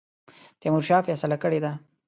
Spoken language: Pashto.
تیمورشاه فیصله کړې ده.